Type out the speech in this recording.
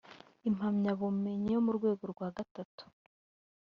impamyabumenyi yo mu rwego rwa gatatu